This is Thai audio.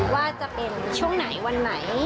ว่าจะเป็นช่วงไหนวันไหน